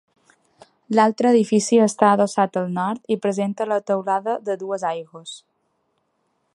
L'altre edifici està adossat al nord i presenta la teulada de dues aigües.